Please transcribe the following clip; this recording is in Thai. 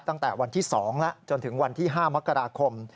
ตั้งแต่วันที่๒แล้วจนถึงวันที่๕มกราคม